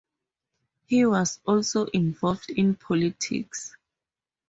He was also involved in politics.